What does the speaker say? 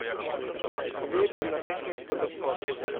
"Pobiegłem natychmiast do gospody."